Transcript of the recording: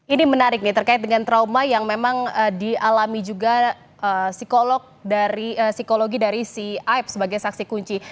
ini menarik nih terkait dengan trauma yang memang dialami juga psikologi dari si aib sebagai saksi kunci